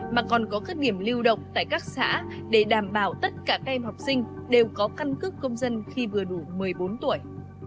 mà còn có các điểm lưu động tại các xã để đảm bảo tất cả các em học sinh đều có căn cước công dân khi vừa đủ một mươi bốn tuổi